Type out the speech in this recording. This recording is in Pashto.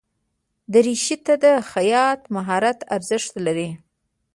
دریشي ته د خیاط مهارت ارزښت لري.